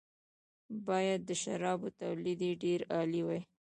باید د شرابو تولید یې ډېر عالي وي.